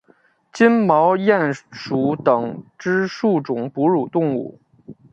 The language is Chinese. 金毛鼹属等之数种哺乳动物。